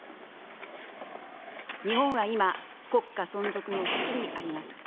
日本は今、国家存続の危機にあります。